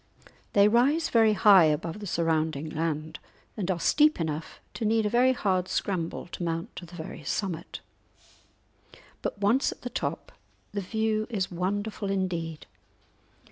They rise very high above the surrounding land, and are steep enough to need a very hard scramble to mount to the very summit; but once at the top the view is wonderful indeed.